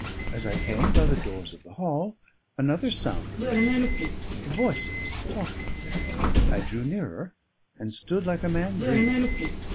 As I came by the doors of the hall, another sound arrested me of voices talking. I drew nearer, and stood like a man dreaming.